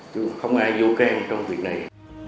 chứ không ai vô can trong việc này